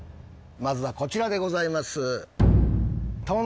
まずはこちらでございます